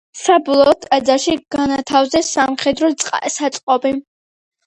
საბოლოოდ ტაძარში განათავსეს სამხედრო საწყობი.